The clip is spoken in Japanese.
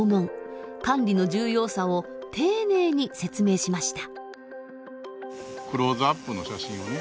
管理の重要さを丁寧に説明しました。